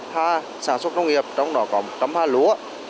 hà sản xuất nông nghiệp trong đó có một hai lúa